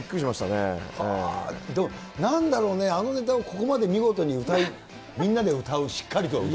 でもなんだろうね、あのネタをここまで見事に歌い、みんなで歌う、しっかりと歌う。